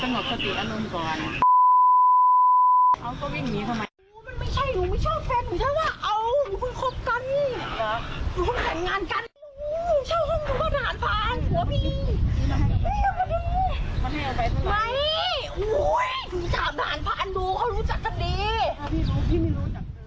มากับหนูเลย